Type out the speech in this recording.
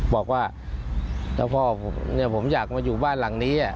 บอกว่าถ้าพ่อผมอยากมาอยู่บ้านหลังนี้